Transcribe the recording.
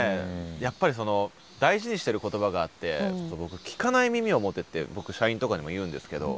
やっぱりその大事にしてる言葉があって僕聞かない耳を持てって僕社員とかにも言うんですけど。